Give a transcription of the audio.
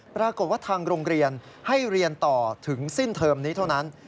ปรากฏว่าทางโรงเรียนให้เรียนต่อถึงสิ้นเทอมนี้เท่านั้น